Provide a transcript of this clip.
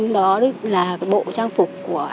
trong đó là bộ trang phục của anh